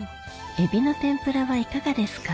えびの天ぷらはいかがですか？